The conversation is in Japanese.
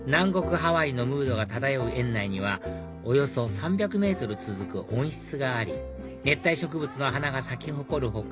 ハワイのムードが漂う園内にはおよそ３００ｍ続く温室があり熱帯植物の花が咲き誇る他